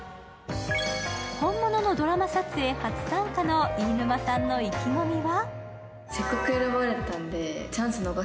本物のドラマ撮影初参加の飯沼さんの意気込みは。